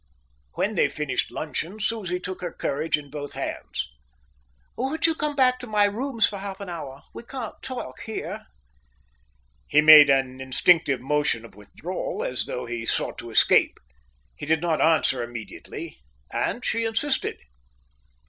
When they finished luncheon, Susie took her courage in both hands. "Won't you come back to my rooms for half an hour? We can't talk here." He made an instinctive motion of withdrawal, as though he sought to escape. He did not answer immediately, and she insisted.